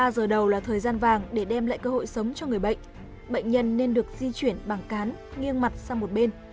ba giờ đầu là thời gian vàng để đem lại cơ hội sống cho người bệnh bệnh nhân nên được di chuyển bằng cán nghiêng mặt sang một bên